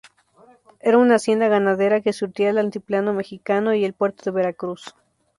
Era una hacienda ganadera que surtía al altiplano mexicano y el puerto de Veracruz.